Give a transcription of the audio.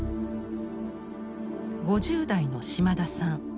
５０代の島田さん。